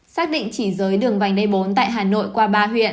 xác định chỉ giới đường vảnh đe bốn tại hà nội qua ba huyện